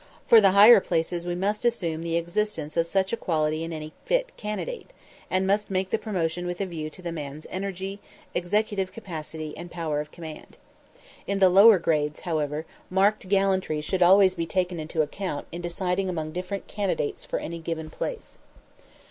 For in the higher places we must assume the existence of such a quality in any fit candidate, and must make the promotion with a view to the man's energy, executive capacity, and power of command. In the lower grades, however, marked gallantry should always be taken into account in deciding among different candidates for any given place.